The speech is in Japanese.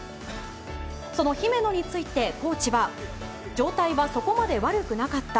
その姫野についてコーチは、状態はそこまで悪くなかった。